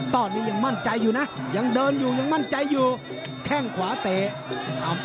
ตอนนี้ยังมั่นใจอยู่นะยังเดินอยู่ยังมั่นใจอยู่แข้งขวาเตะ